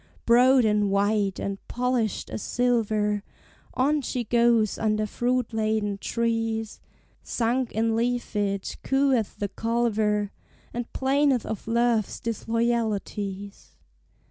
Broad and white, and polished as silver, On she goes under fruit laden trees; Sunk in leafage cooeth the culver, And 'plaineth of love's disloyalties.